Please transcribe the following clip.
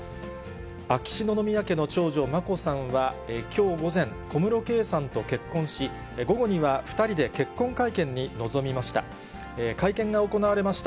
秋篠宮家の長女、眞子さんはきょう午前、小室圭さんと結婚し、午後には２人で結婚会見に臨みました。